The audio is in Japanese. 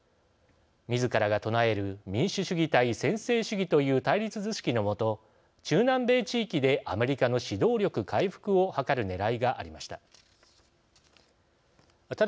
みずからが唱える民主主義対専制主義という対立図式のもと、中南米地域でアメリカの指導力回復を図るねらいがありました。